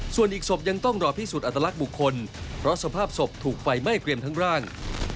ส่วนอีกศพยังต้องรอพิสูจนอัตลักษณ์บุคคลเพราะสภาพศพถูกไฟไหม้เกรียมทั้งร่าง